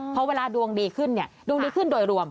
พอเวลาดวงดีขึ้นดวงดีขึ้นโดยรวม